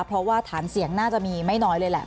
เพราะว่าฐานเสียงน่าจะมีไม่น้อยเลยแหละ